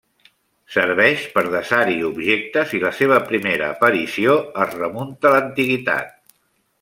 Serveix per desar-hi objectes i la seva primera aparició es remunta a l'Antiguitat.